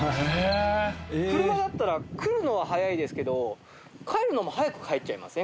車だったら来るのは早いですけど帰るのも早く帰っちゃいません？